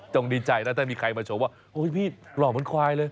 ดีใจนะถ้ามีใครมาชมว่าโอ้ยพี่หล่อเหมือนควายเลย